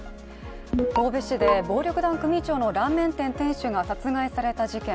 神戸市で暴力団組長のラーメン店店主が殺害された事件。